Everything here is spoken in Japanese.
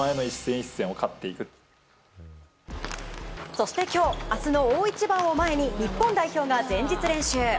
そして、今日明日の大一番を前に日本代表が前日練習。